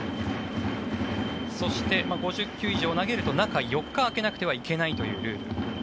そして、５０球以上投げると中４日空けなくてはいけないというルール。